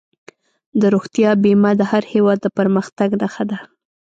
د روغتیا بیمه د هر هېواد د پرمختګ نښه ده.